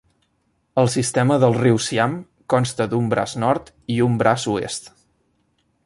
El "sistema del riu Siam" consta d'un braç nord i un braç oest.